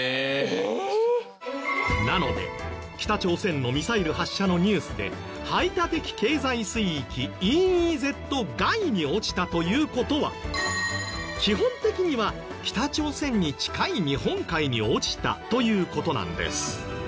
えーっ！なので北朝鮮のミサイル発射のニュースで排他的経済水域ＥＥＺ外に落ちたという事は基本的には北朝鮮に近い日本海に落ちたという事なんです。